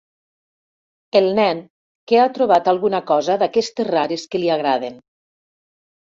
El nen, que ha trobat alguna cosa d'aquestes rares que li agraden.